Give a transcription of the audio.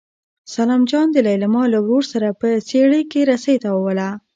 سلام جان د لېلما له ورور سره په څېړۍ کې رسۍ تاووله.